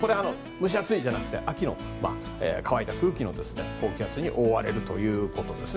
蒸し暑いじゃなくて秋の乾いた空気の高気圧に覆われるということです。